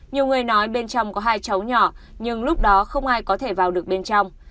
nhiều người nói bên trong có hai cháu nhỏ nhưng lúc đó không ai có thể vào được bên trong